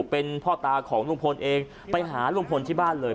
เป็นพ่อตาของลุงพลเองไปหาลุงพลที่บ้านเลย